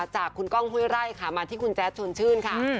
จากคุณก้องห้วยไร่ค่ะมาที่คุณแจ๊ดชวนชื่นค่ะ